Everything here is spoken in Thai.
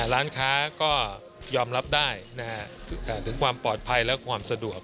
ร้านค้าก็ยอมรับได้ถึงความปลอดภัยและความสะดวก